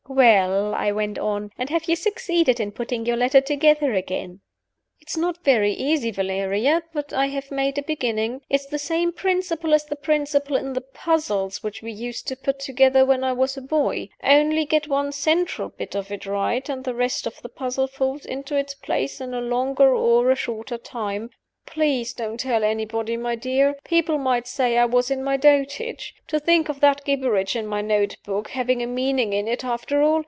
"Well," I went on; "and have you succeeded in putting your letter together again?" "It's not very easy, Valeria. But I have made a beginning. It's the same principle as the principle in the 'Puzzles' which we used to put together when I was a boy. Only get one central bit of it right, and the rest of the Puzzle falls into its place in a longer or a shorter time. Please don't tell anybody, my dear. People might say I was in my dotage. To think of that gibberish in my note book having a meaning in it, after all!